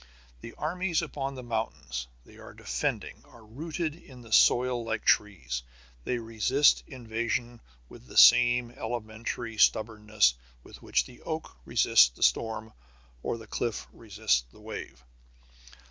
The armies upon the mountains they are defending are rooted in the soil like trees. They resist invasion with the same elementary stubbornness with which the oak resists the storm or the cliff resists the wave.